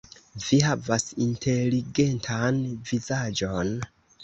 Vi havas inteligentan vizaĝon.